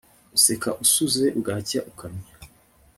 useka usuze bwacya ukannya